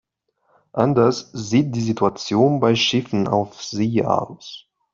Anders sieht die Situation bei Schiffen auf See aus.